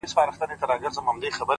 o په ښکارپورۍ سترگو کي؛ راته گلاب راکه؛